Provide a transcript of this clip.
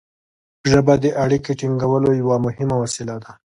ژبه د اړیکې ټینګولو یوه مهمه وسیله ده.